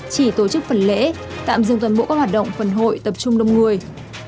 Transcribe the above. chỉ tổ chức phần lễ tạm dừng toàn bộ các hoạt động phần hội tập trung đông người